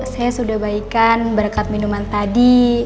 saya sudah baikan berkat minuman tadi